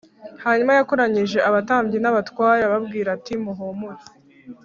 Hanyuma yakoranyije abatambyi n abatware arababwira ati muhumure